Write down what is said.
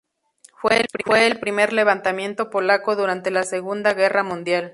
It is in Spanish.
Fue el primer levantamiento polaco durante la Segunda Guerra Mundial.